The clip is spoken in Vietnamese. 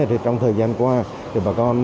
nhưng trong thời gian qua thì bà con